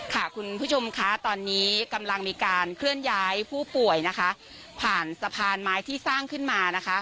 คุณผู้ชมค่ะตอนนี้กำลังมีการเคลื่อนย้ายผู้ป่วยนะคะผ่านสะพานไม้ที่สร้างขึ้นมานะคะ